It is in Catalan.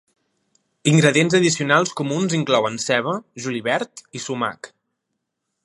Ingredients addicionals comuns inclouen ceba, julivert i sumac.